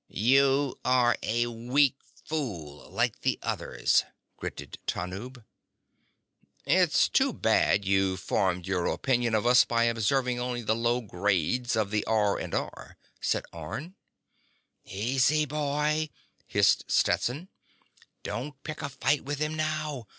_ "You are a weak fool like the others," gritted Tanub. "It's too bad you formed your opinion of us by observing only the low grades of the R&R," said Orne. "Easy, boy," hissed Stetson. _"Don't pick a fight with him now.